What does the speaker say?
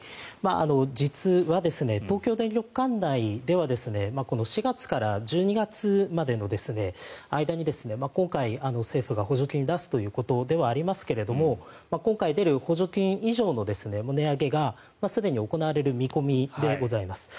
実は東京電力管内ではこの４月から１２月までの間に今回、政府が補助金を出すということではありますが今回出る補助金以上の値上げがすでに行われる見込みでございます。